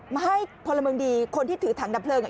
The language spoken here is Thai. มาให้พลเมืองดีคนที่ถือถังดับเพลิง